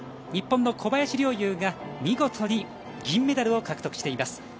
日本の小林陵侑が見事に銀メダルを獲得しています。